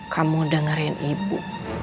kamu dengerin ibu